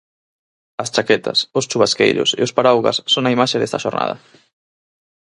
As chaquetas, os chuvasqueiros e os paraugas son a imaxe desta xornada.